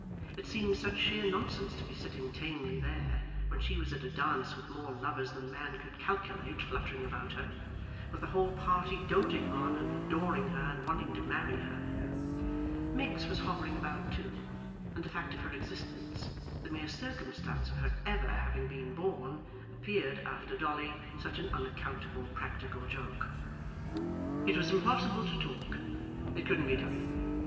It seemed such sheer nonsense to be sitting tamely there, when she was at a dance with more lovers than man could calculate fluttering about her with the whole party doting on and adoring her, and wanting to marry her. Miggs was hovering about too; and the fact of her existence, the mere circumstance of her ever having been born, appeared, after Dolly, such an unaccountable practical joke. It was impossible to talk. It couldn't be done.